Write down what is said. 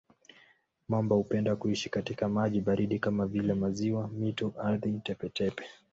Mamba hupenda kuishi katika maji baridi kama vile maziwa, mito, ardhi tepe-tepe.